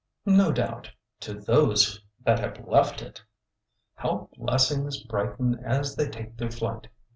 ''No doubt— to those that have left it! 'How bless ings brighten as they take their flight